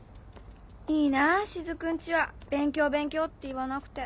いいなぁ雫ん家は勉強勉強って言わなくて。